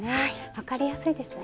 分かりやすいですね。